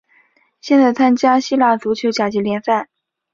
现在参加希腊足球甲级联赛。